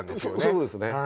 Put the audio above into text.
そうですね